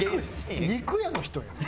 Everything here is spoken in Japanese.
肉屋の人やん。